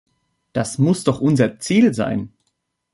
Das muss doch unser Ziel sein.